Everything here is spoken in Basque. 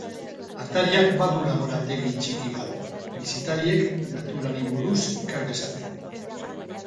Atariak badu laborategi txiki bat, bisitariek naturari buruz ikas dezaten.